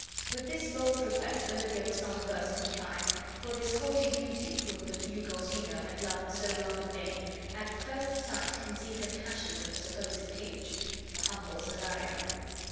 With this bold request Olivia was not averse to comply, for this haughty beauty, whom the Duke Orsino had loved so long in vain, at first sight conceived a passion for the supposed page, the humble Cesario.